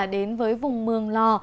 đến với vùng mường lò